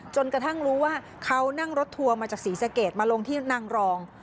จนกระทั่งรู้ว่าเขานั่งรถทัวร์มาจากศรีสะเกดมาลงที่นางรอง